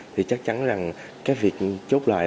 thì chắc chắn rằng cái việc chút lời